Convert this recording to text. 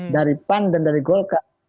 dari pan dan dari golkar